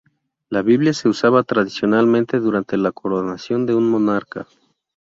La Biblia se usaba tradicionalmente durante la coronación de un monarca.